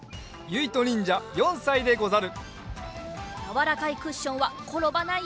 さなにんじゃ２さいでござる。